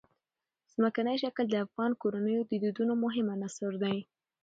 ځمکنی شکل د افغان کورنیو د دودونو مهم عنصر دی.